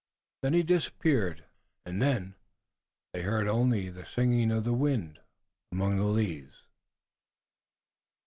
Then he disappeared and they heard only the singing of the wind among the leaves.